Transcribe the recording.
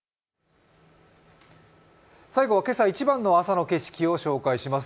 最後は今朝一番の朝の景色を紹介します。